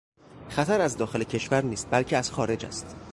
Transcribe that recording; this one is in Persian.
خطر از داخل کشور نیست بلکه از خارج است.